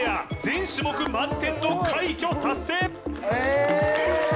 全種目満点の快挙達成